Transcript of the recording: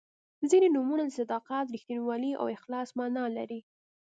•ځینې نومونه د صداقت، رښتینولۍ او اخلاص معنا لري.